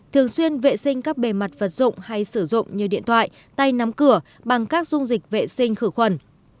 thường xuyên vệ sinh các bề mặt vật dụng hay sử dụng như điện thoại tay nắm cửa bằng các dung dịch vệ sinh khử khuẩn